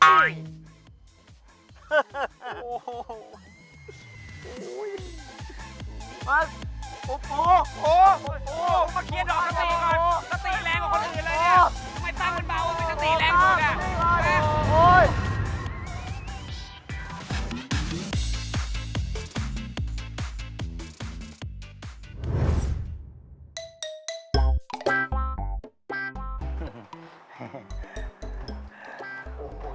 พรุ่งมาเคลียร์ดอกสตรีก่อนสตรีแรงกว่าคนอื่นเลยนี่ทำไมตั้งเป็นเบาแล้วก็ไม่สตรีแรงดูด่ะโอ๊ย